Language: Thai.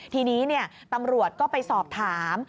ทีนี้ตำรวจก็ไปสอบถาม